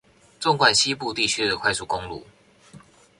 縱貫西部地區的快速公路